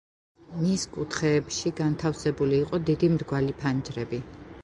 მის კუთხეებში განთავსებული იყო დიდი მრგვალი ფანჯრები.